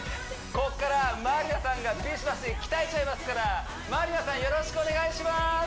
ここからまりなさんがビシバシ鍛えちゃいますからまりなさんよろしくお願いします